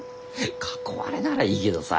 囲われならいいけどさ。